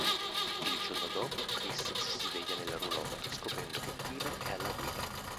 Il giorno dopo Chris si sveglia nella roulotte scoprendo che Tina è alla guida.